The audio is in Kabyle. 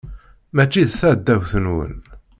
Mačči d taɛdawt-nwen.